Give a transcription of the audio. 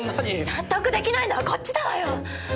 納得出来ないのはこっちだわよ！